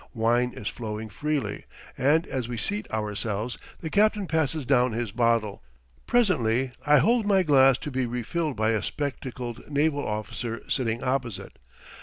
Wine is flowing freely, and as we seat ourselves the captain passes down his bottle. Presently I hold my glass to be refilled by a spectacled naval officer sitting opposite.